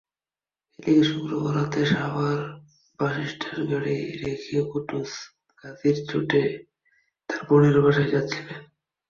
এদিকে শুক্রবার রাতে সাভার বাসস্ট্যান্ডে গাড়ি রেখে কুদ্দুস গাজীরচটে তাঁর বোনের বাসায় যাচ্ছিলেন।